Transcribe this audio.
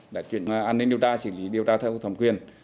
đã chuyển an ninh điều tra xử lý điều tra theo thẩm quyền